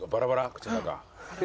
口の中。